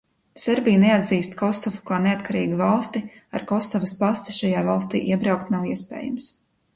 Serbija neatzīst Kosovu kā neatkarīgu valsti, ar Kosovas pasi šajā valstī iebraukt nav iespējams.